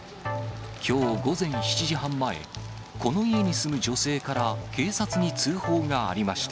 きょう午前７時半前、この家に住む女性から警察に通報がありました。